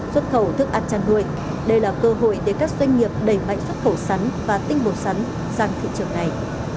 xuất khẩu thức ăn chăn nuôi đây là cơ hội để các doanh nghiệp đẩy mạnh xuất khẩu sắn và tinh bột sắn sang thị trường này